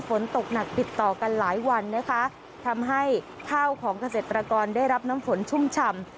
ฝนตกหนักติดต่อกันหลายวันนะคะทำให้ข้าวของเกษตรกรได้รับน้ำฝนชุ่มฉ่ำ